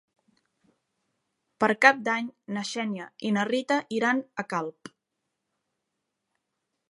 Per Cap d'Any na Xènia i na Rita iran a Calp.